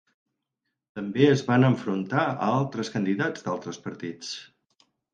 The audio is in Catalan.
També es van enfrontar a altres candidats d'altres partits.